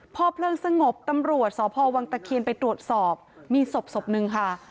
พอเพลิงสงบตำรวจสพวังตะเคียนไปตรวจสอบมีศพศพนึงค่ะ